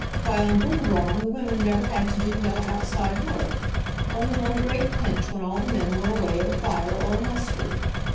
Why, on Bruggabrong the women never had to do no outside work, only on a great pinch wen all the men were away at a fire or a muster.